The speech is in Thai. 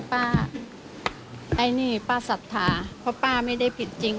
ไอ้นี่ป้าศรัทธาเพราะป้าไม่ได้ผิดจริง